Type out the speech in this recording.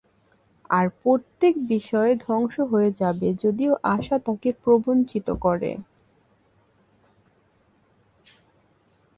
আর প্রত্যেক বিষয় ধ্বংস হয়ে যাবে, যদিও আশা তাকে প্রবঞ্চিত করে।